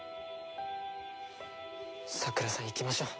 さくらさん行きましょう。